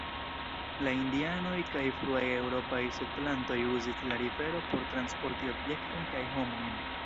La Indianoj kaj fruaj eŭropaj setlantoj uzis la rivero por transporti objektojn kaj homojn.